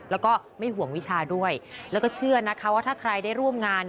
แล้วก็ไม่ห่วงวิชาด้วยแล้วก็เชื่อนะคะว่าถ้าใครได้ร่วมงาน